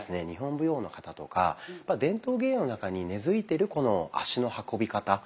日本舞踊の型とか伝統芸能の中に根づいてるこの足の運び方。